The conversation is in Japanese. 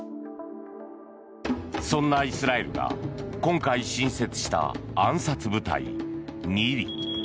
そんなイスラエルが今回新設した暗殺部隊ニリ。